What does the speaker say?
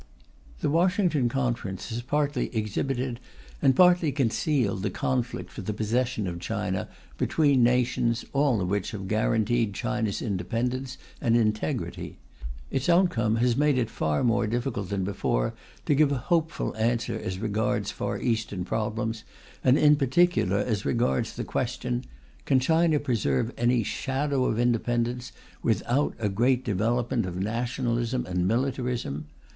The Washington Conference has partly exhibited and partly concealed the conflict for the possession of China between nations all of which have guaranteed China's independence and integrity. Its outcome has made it far more difficult than before to give a hopeful answer as regards Far Eastern problems, and in particular as regards the question: Can China preserve any shadow of independence without a great development of nationalism and militarism?